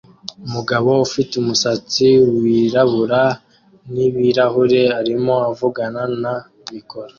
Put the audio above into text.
Umugabo ufite umusatsi wirabura n ibirahure arimo avugana na mikoro